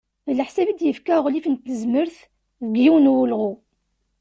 D leḥsab i d-yefka uɣlif n tezmert, deg yiwen n wulɣu.